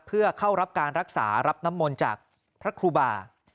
เพื่อเข้ารับการรักษารับน้ำมนต์จากพระครูบา